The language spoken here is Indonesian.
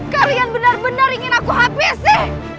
kalian benar benar ingin aku habisi